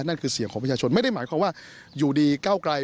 นั่นคือเสียงของประชาชนไม่ได้หมายความว่าอยู่ดีก้าวไกล